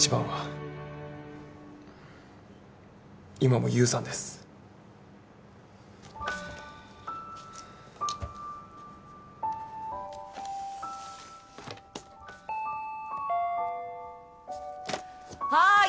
はい。